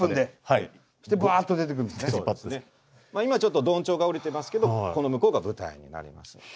今ちょっと緞帳が降りてますけどこの向こうが舞台になります。